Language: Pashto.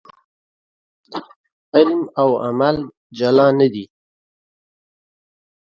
علم او عمل جلا نه دي.